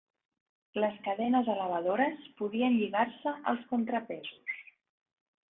Les cadenes elevadores podien lligar-se als contrapesos.